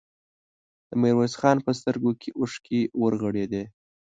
د ميرويس خان په سترګو کې اوښکې ورغړېدې.